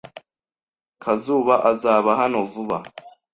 Kazuba azaba hano vuba.